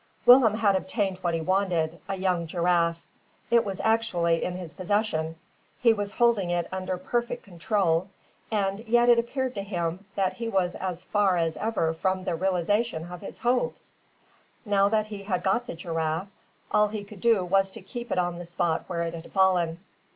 Willem had obtained what he wanted, a young giraffe. It was actually in his possession. He was holding it under perfect control, and yet it appeared to him that he was as far as ever from the realisation of his hopes! Now that he had got the giraffe, all that he could do was to keep it on the spot where it had fallen.